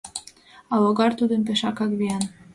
А логар тудын пешакак виян.